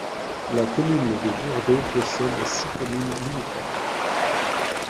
La commune de Bourdeau possède six communes limitrophes.